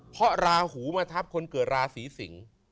เพราะราหูมาทับคนเกิดราศีสิงศ์